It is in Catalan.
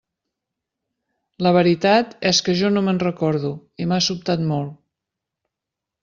La veritat és que jo no me'n recordo i m'ha sobtat molt.